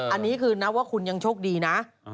อันนี้คือนับว่าคุณยังโชคดีนะ